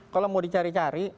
kalau mau dicari cari